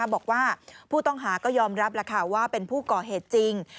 บอกว่าผู้ต้องหาก็ยอมรับว่าเป็นผู้ก่อเหตุจริง